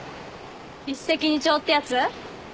一石二鳥ってやつ？